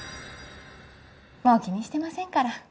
もう気にしてませんから。